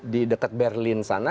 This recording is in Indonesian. di dekat berlin sana